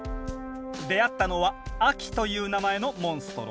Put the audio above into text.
出会ったのは「アキ」という名前のモンストロ。